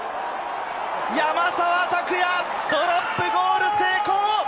山沢拓也、ドロップゴール成功！